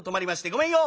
「ごめんよ